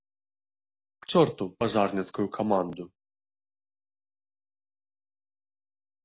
К чорту пажарніцкую каманду!